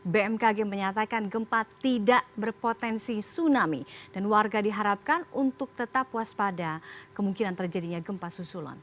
bmkg menyatakan gempa tidak berpotensi tsunami dan warga diharapkan untuk tetap waspada kemungkinan terjadinya gempa susulan